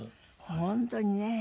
本当にね。